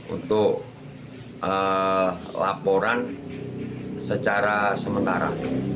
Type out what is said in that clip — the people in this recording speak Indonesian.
untuk laporan secara sementara